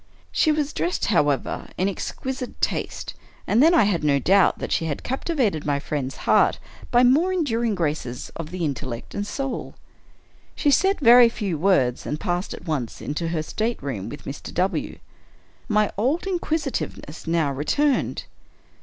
She was dressed, however, in exquisite taste — and then I had no doubt that she had captivated my friend's heart by the more endur ing graces of the intellect and soul. She said very few words, and passed at once into her stateroom with Mr. W. My old inquisitiveness now returned.